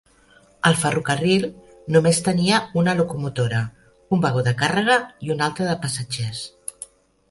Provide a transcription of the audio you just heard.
El ferrocarril només tenia una locomotora, un vagó de càrrega i un altre de passatgers.